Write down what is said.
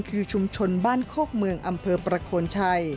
คือชุมชนบ้านโคกเมืองอำเภอประโคนชัย